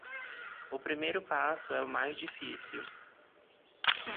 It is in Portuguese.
O primeiro passo é o mais difícil.